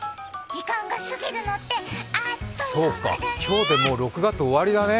時間が過ぎるのってあっという間だね。